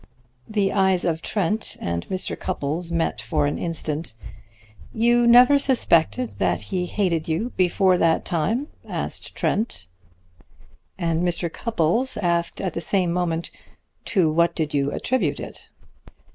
The eyes of Trent and Mr. Cupples met for an instant. "You never suspected that he hated you before that time?" asked Trent, and Mr. Cupples asked at the same moment: "To what did you attribute it?"